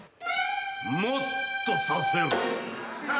もっとさせる。